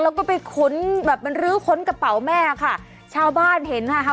แล้วก็ไปค้นแบบมันรื้อค้นกระเป๋าแม่ค่ะชาวบ้านเห็นนะคะ